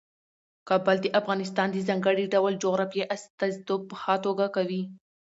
کابل د افغانستان د ځانګړي ډول جغرافیې استازیتوب په ښه توګه کوي.